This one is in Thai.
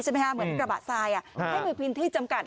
เหมือนกระบะทรายให้มีพื้นที่จำกัด